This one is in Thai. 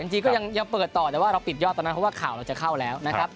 จริงก็ยังเปิดต่อแต่ว่าเราปิดยอดตอนนั้นเพราะว่าข่าวเราจะเข้าแล้วนะครับ